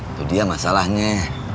itu dia masalahnya